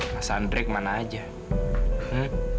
mas andri sudah gabah